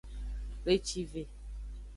Wlecive.